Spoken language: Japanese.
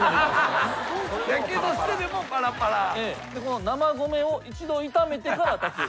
この「生米を一度炒めてから炊く」